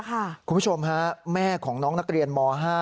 คุณผู้ชมฮะแม่ของน้องนักเรียนม๕